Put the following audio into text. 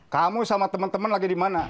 kamu sama teman teman lagi di mana